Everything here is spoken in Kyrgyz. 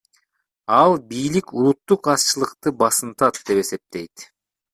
Ал бийлик улуттук азчылыкты басынтат деп эсептейт.